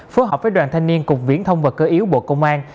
phối hợp với đoàn thanh niên cục viễn thông và cơ yếu bộ công an